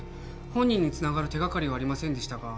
本人につながる手がかりはありませんでしたが